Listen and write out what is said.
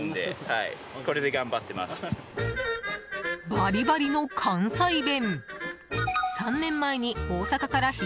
バリバリの関西弁。